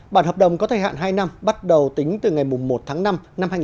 bản hợp đồng có thời hạn hai năm bắt đầu tính từ ngày một tháng năm năm hai nghìn hai mươi